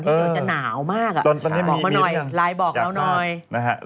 เห็นเดี๋ยวจะหนาวมากอ่ะบอกมาหน่อยไลน์บอกเราหน่อยตอนตอนนี้มีอีกอย่าง